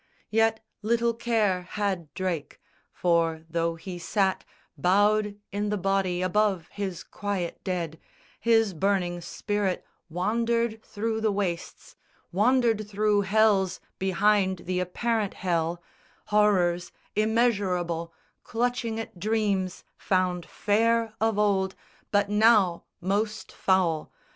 Yet little care had Drake, for though he sat Bowed in the body above his quiet dead, His burning spirit wandered through the wastes, Wandered through hells behind the apparent hell, Horrors immeasurable, clutching at dreams Found fair of old, but now most foul.